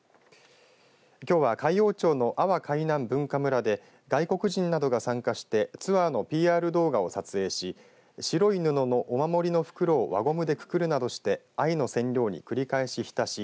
きょうは海陽町の阿波海南文化村で外国人などが参加してツアーのＰＲ動画を撮影し白い布のお守りの袋を輪ゴムでくくるなどして藍の染料に繰り返し浸し